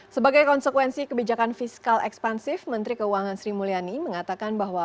sebagai konsekuensi kebijakan fiskal ekspansif menteri keuangan sri mulyani mengatakan bahwa